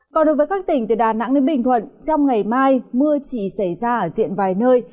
còn đối với các tỉnh từ đà nẵng đến bình thuận trong ngày mai mưa chỉ xảy ra ở diện vài nơi